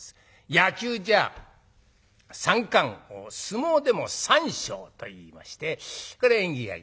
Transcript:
野球じゃ三冠王相撲でも三賞といいましてこれ縁起がいい。